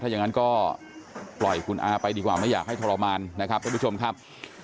อย่างนั้นก็ปล่อยคุณอาไปดีกว่าไม่อยากให้ทรมานนะครับท่านผู้ชมครับ